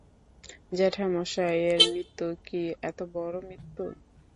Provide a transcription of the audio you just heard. জ্যাঠামশাইয়ের মৃত্যু কি এতবড়ো মৃত্যু?